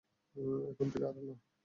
এখন থেকে আর না।